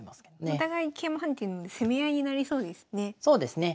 お互い桂馬跳ねてるので攻め合いになりそうですね。